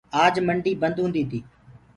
آج منڊي بند هوندي تي۔